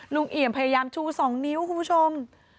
ลุงเหยียมพยายามชูสองนิ้วคุณผู้ชม